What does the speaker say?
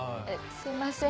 すいません。